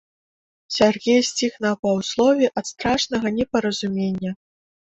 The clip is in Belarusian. Сяргей сціх на паўслове ад страшнага непаразумення.